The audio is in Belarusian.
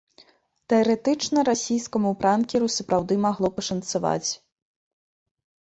Тэарэтычна расійскаму пранкеру сапраўды магло пашанцаваць.